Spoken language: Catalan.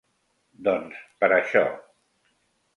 Doncs per això.